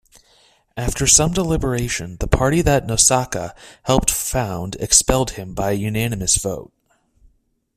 After some deliberation, the party that Nosaka helped found expelled him by unanimous vote.